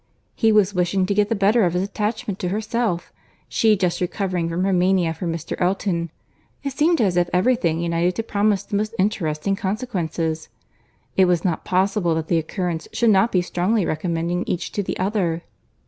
He was wishing to get the better of his attachment to herself, she just recovering from her mania for Mr. Elton. It seemed as if every thing united to promise the most interesting consequences. It was not possible that the occurrence should not be strongly recommending each to the other.